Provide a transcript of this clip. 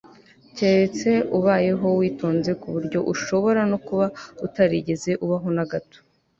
keretse ubayeho witonze ku buryo ushobora no kuba utarigeze ubaho na gato